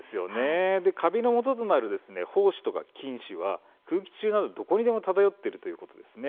カビのもととなる胞子や菌糸は空気中など、どこにでも漂っているということです。